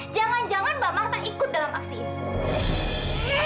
jangan jangan mbak marta ikut dalam aksi ini